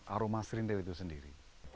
aroma serindir itu sendiri